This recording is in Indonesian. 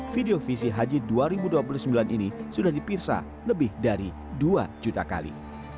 video visi haji dua ribu dua puluh sembilan ini sudah dipirsa lebih dari dua juta kali